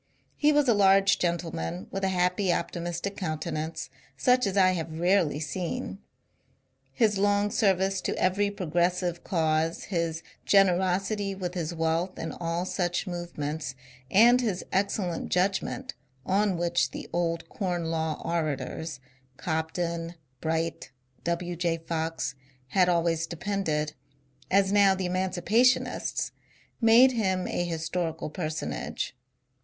He was a large gentleman with a happy optimistic counte nance such as I have rarely seen. His long service to every ^^ progressive " cause, his generosity with his wealth in all 422 MONCURE DANIEL CONWAY such movements, and his excellent judgment, on which the old Corn Law orators — Cobden, Bright, W. J. Fox — had always depended, as now the emancipationists — made him a historical personage.